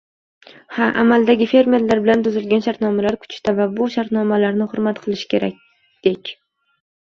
Ha, amaldagi fermerlar bilan tuzilgan shartnomalar kuchda va bu shartnomalarni hurmat qilish kerakdek.